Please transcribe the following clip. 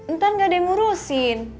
ntar gak ada yang ngurusin